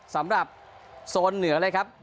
สำหรับโซนเหนือเลยครับ